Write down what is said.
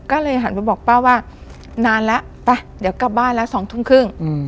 ก็เลยหันไปบอกป้าว่านานแล้วไปเดี๋ยวกลับบ้านแล้ว๒ทุ่มครึ่ง